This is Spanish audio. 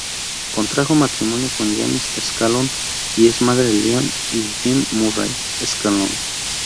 Contrajo matrimonio con James Scanlon y es madre de Liam y Jean Murray Scanlon.